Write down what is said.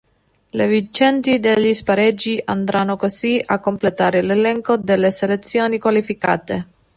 Le vincenti degli spareggi andranno così a completare l'elenco delle selezioni qualificate.